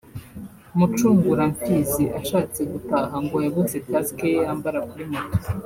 Mucunguramfizi ashatse gutaha ngo yabuze “Casque” ye yambara kuri moto